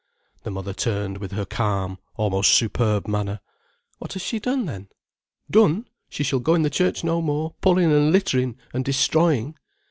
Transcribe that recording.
The mother turned with her calm, almost superb manner. "What has she done, then?" "Done? She shall go in the church no more, pulling and littering and destroying."